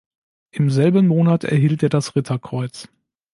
Im selben Monat erhielt er das Ritterkreuz.